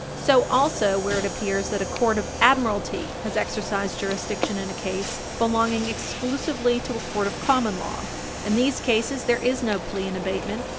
So also where it appears that a court of admiralty has exercised jurisdiction in a case belonging exclusively Page 60 U. S. 430 to a court of common law. In these cases, there is no plea in abatement.